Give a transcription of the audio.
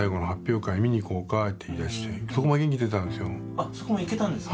・あっそこも行けたんですか？